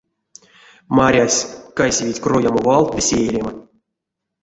Марясь — кайсевить кроямо валт ды сеерема.